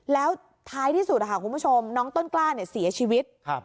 แล้วท้ายที่สุดน้องต้นกล้าเสียชีวิต